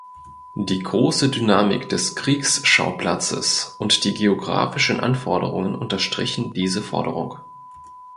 Die große Dynamik des Kriegsschauplatzes und die geografischen Anforderungen unterstrichen diese Forderung.